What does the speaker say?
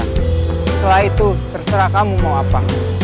setelah itu terserah kamu mau apa